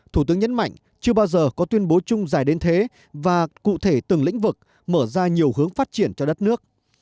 thủ tướng nhấn mạnh chưa bao giờ có tuyên bố chung dài đến thế và cụ thể từng lĩnh vực mở ra nhiều hướng phát triển cho đất nước